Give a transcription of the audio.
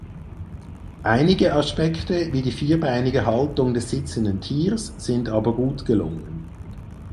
Einige Aspekte wie die vierbeinige Haltung des sitzenden Tiers sind aber gut gelungen.